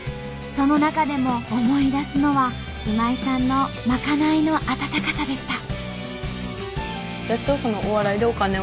その中でも思い出すのは今井さんのまかないの温かさでした。